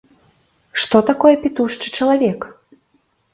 Што такое пітушчы чалавек?